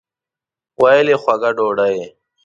ویل یې خوږه ډوډۍ.